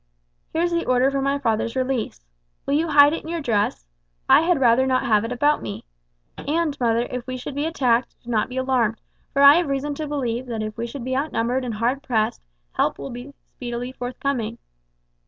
Here is the order for my father's release. Will you hide it in your dress? I had rather not have it about me. And, mother, if we should be attacked, do not be alarmed, for I have reason to believe that if we should be outnumbered and hard pressed, help will speedily be forthcoming."